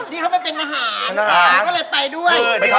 นี่เขาไม่เป็นทหาร